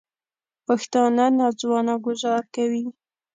پښتانه نا ځوانه ګوزار کوي